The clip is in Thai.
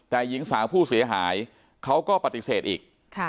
แต่หญิงสาวผู้เสียหายเขาก็ปฏิเสธอีก